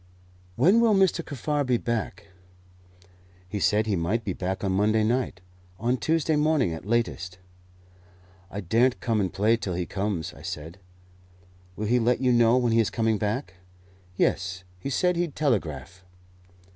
"When will Mr. Kaffar be back?" "He said he might be back on Monday night on Tuesday morning at latest." "I daren't come and play till he comes," I said. "Will he let you know when he is coming back?" "Yes; he said he'd telegraph."